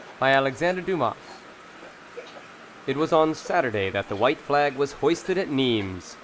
CHAPTER IX It was on Saturday that the white flag was hoisted at Nimes.